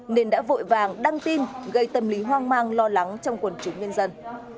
nên đã vội vàng đăng tin gây tâm lý hoang mang lo lắng trong quần chúng nhân dân